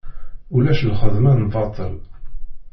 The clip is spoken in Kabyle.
Ulac lxedma n baṭel.